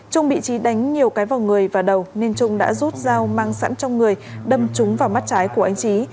trung bị trí đánh nhiều cái vào người và đầu nên trung đã rút dao mang sẵn trong người đâm trúng vào mắt trái của anh trí